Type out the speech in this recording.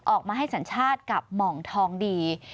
ออกมาให้สัญชาติกับหม่องทองดี